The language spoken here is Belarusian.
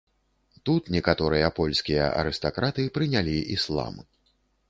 Тут некаторыя польскія арыстакраты прынялі іслам.